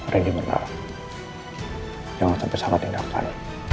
rindu jangan sampai salah tindakan